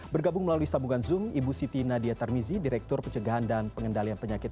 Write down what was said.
bergabung melalui sambungan zoom ibu siti nadia tarmizi direktur pencegahan dan pengendalian penyakit